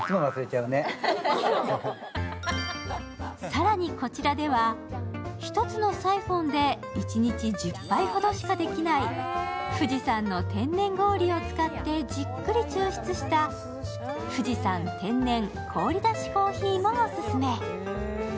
更に、こちらでは１つのサイフォンで一日１０杯ほどしかできない富士山の天然氷を使ってじっくり抽出した富士山天然氷だしコーヒーもオススメ。